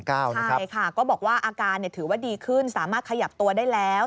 ใช่ค่ะก็บอกว่าอาการถือว่าดีขึ้นสามารถขยับตัวได้แล้ว